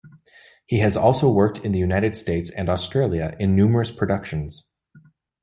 He has also worked in the United States and Australia, in numerous productions.